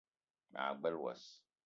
Ma gbele wass